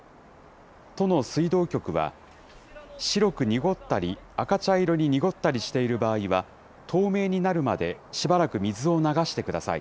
都の水道局は、白く濁ったり、赤茶色に濁ったりしている場合は、透明になるまでしばらく水を流してください。